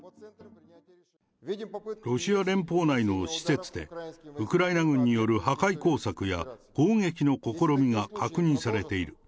ロシア連邦内の施設で、ウクライナ軍による破壊工作や、攻撃の試みが確認されている。